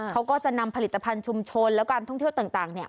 เขาก็จะนำผลิตภัณฑ์ชุมชนและการท่องเที่ยวต่างเนี่ย